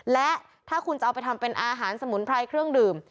และถ้าคุณจะเอาไปทำเป็นอาหารสมุนไพรเครื่องดื่ม